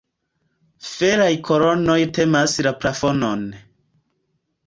Feraj kolonoj tenas la plafonon.